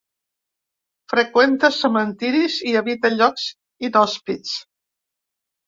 Freqüenta cementiris i habita llocs inhòspits.